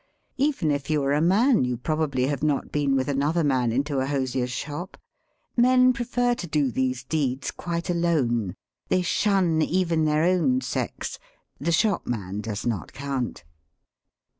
Even if jou are a man you probably have not been with another man into a hosier's shop. Men prefer to do these deeds quite alone ; they shun even their own sex ; the shopman does not count.